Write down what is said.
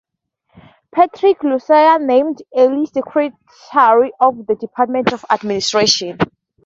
Patrick Lucey named Earl secretary of the Department of Administration.